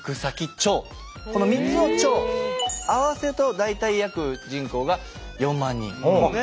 この３つの町合わせると大体約人口が４万人。